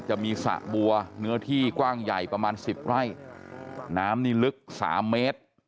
จะมีสระบัวเนื้อที่กว้างใหญ่ประมาณสิบไร่น้ำนี่ลึกสามเมตร